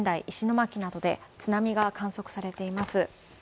石巻市などで津波が観測されています。